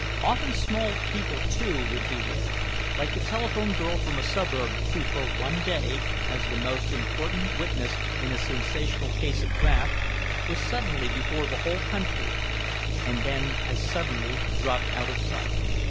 Often small people too would be there like the telephone girl from a suburb, who for one day, as the most important witness in a sensational case of graft, was suddenly before the whole country and then as suddenly dropped out of sight.